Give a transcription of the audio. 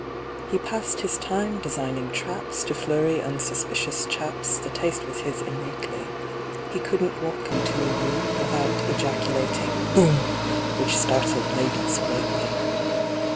He passed his time designing traps To flurry unsuspicious chaps— The taste was his innately; He couldn't walk into a room Without ejaculating "Boom!" Which startled ladies greatly.